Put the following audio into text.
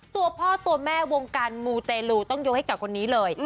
ตัวพ่อตัวแม่วงการมูเตลูต้องยกให้กับคนนี้เลย